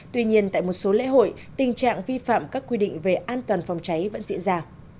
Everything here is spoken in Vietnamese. tuy nhiên tại một số lễ hội tình trạng vi phạm các quy định về an toàn phòng cháy vẫn diễn ra